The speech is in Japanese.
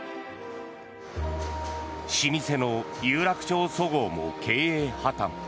老舗の有楽町そごうも経営破たん。